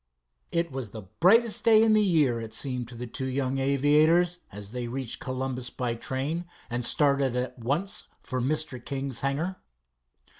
It was the brightest day in the year, it seemed to the two young aviators, as they reached Columbus by train, and started at once for Mr. King's hangar.